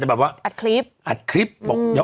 แต่แบบว่าอัดคริปต์